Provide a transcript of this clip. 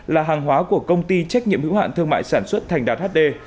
là hàng hóa của công ty trách nhiệm hữu hạn thương mại sản xuất thành đạt hd